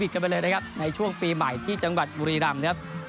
กลับมาอะรีดำ